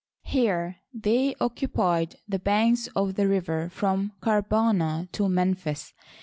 Here they occupied the banks of the river from Karbana to Memphis.